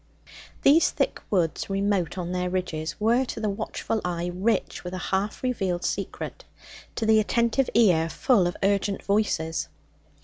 These thick woods, remote on their ridges, were to the watchful eye rich with a half revealed secret, to the attentive ear full of urgent voices.